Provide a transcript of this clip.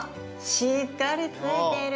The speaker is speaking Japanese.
しっかりついてる！